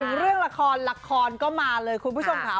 ถึงเรื่องละครละครก็มาเลยคุณผู้ชมค่ะ